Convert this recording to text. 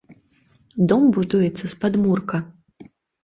Дом будуецца з падмурка.